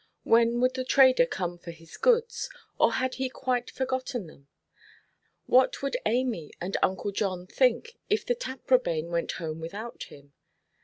When would the trader come for his goods, or had he quite forgotten them? What would Amy and Uncle John think, if the Taprobane went home without him?